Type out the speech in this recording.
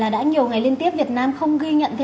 đã nhiều ngày liên tiếp việt nam không ghi nhận thêm